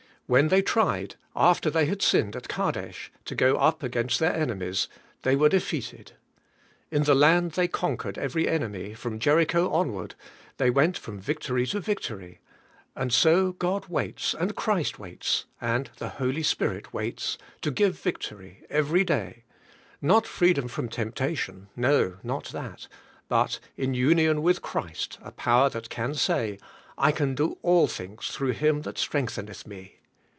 When they tried, after they had sinned at Kadesh, to go up against their enemies, they were defeated. In the land they conquered every enemy; from Jericho onward, they went from victory to victor3^ And so God waits, and Christ waits, and the Holy Spirit waits,^ to give victory everyday; not freedom from temp tation; no, not that; but in union with Christ a power that can say, ''I can do all things through Him that strengtheneth me."